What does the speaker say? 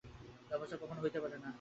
এ অবস্থা কখনও হইতে পারে না।